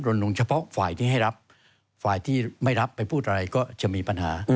ลงเฉพาะฝ่ายที่ให้รับฝ่ายที่ไม่รับไปพูดอะไรก็จะมีปัญหา